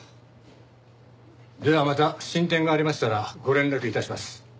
ではまた進展がありましたらご連絡致します。